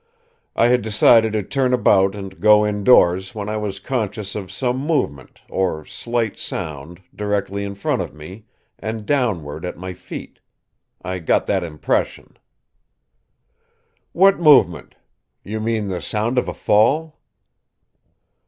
"I had decided to turn about and go indoors when I was conscious of some movement, or slight sound, directly in front of me, and downward, at my feet. I got that impression." "What movement? You mean the sound of a fall?"